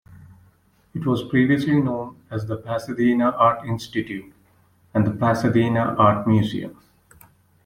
It was previously known as the Pasadena Art Institute and the Pasadena Art Museum.